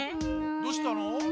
どうしたの？